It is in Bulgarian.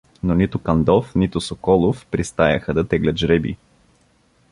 Но нито Кандов, нито Соколов пристаяха да теглят жребий.